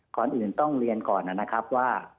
ก่อนอื่นต้องเรียนก่อนนะครับว่า